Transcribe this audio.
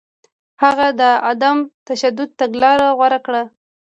هغه د عدم تشدد تګلاره غوره کړه.